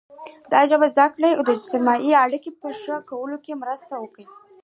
د ژبې زده کړه د اجتماعي اړیکو په ښه کولو کې مرسته کوي.